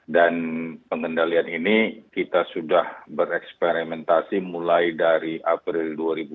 dan pengendalian ini kita sudah bereksperimentasi mulai dari april dua ribu dua puluh